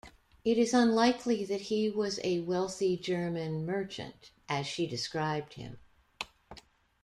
It is unlikely that he was a "wealthy German merchant" as she described him.